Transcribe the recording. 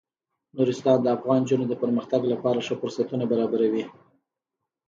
نورستان د افغان نجونو د پرمختګ لپاره ښه فرصتونه برابروي.